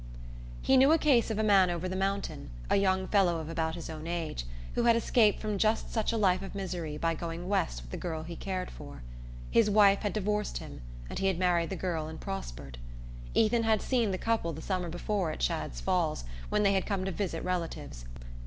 He knew a case of a man over the mountain a young fellow of about his own age who had escaped from just such a life of misery by going West with the girl he cared for. His wife had divorced him, and he had married the girl and prospered. Ethan had seen the couple the summer before at Shadd's Falls, where they had come to visit relatives.